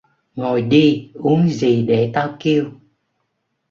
Ngồi đi uống gì để tao kêu